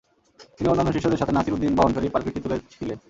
তিনি অন্যান্য শিষ্যদের সাথে নাসির উদ্দিনবহনকারী পালকিটি তুলে ছিলেন।